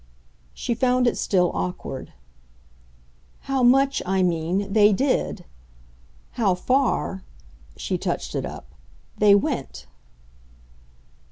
She found it still awkward. "How much, I mean, they did. How far" she touched it up "they went."